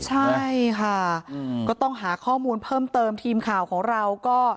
ใช่ค่ะก็ต้องหาข้อมูลเพิ่มเติมทีมข่าวของเราก็